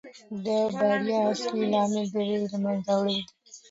د بریا اصلي لامل د ویرې له منځه وړل دي.